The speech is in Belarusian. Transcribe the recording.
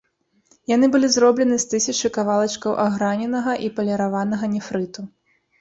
Яны былі зроблены з тысячы кавалачкаў аграненага і паліраванага нефрыту.